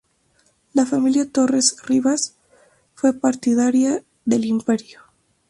La familia Torres Rivas fue partidaria del imperio.